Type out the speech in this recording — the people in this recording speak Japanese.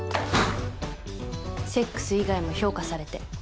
セックス以外も評価されて。